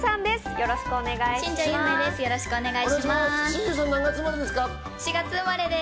よろしくお願いします。